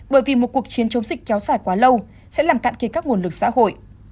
bởi vì một cuộc chiến chống dịch kéo dài quá lâu sẽ làm cạn kiệt các nguồn lực xã hội